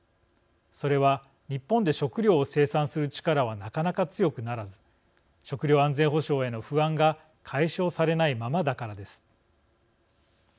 それは日本で食料を生産する力はなかなか強くならず食料安全保障への不安が解消されないままだからです。